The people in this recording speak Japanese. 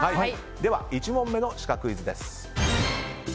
では、１問目のシカクイズです。